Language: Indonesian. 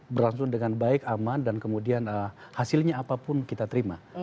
berlangsung dengan baik aman dan kemudian hasilnya apapun kita terima